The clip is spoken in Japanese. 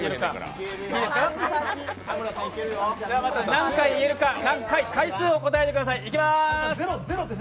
何回言えるか、回数を答えてください。